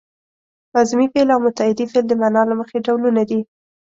لازمي فعل او متعدي فعل د معنا له مخې ډولونه دي.